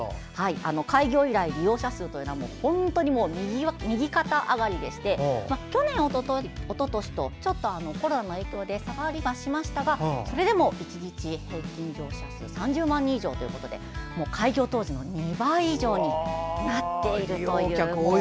開業以来、利用者数は本当にもう右肩上がりでして去年、おととしとちょっとコロナの影響で下がりはしましたがそれでも１日平均乗車数３０万人以上と開業当時の２倍以上になっているということで。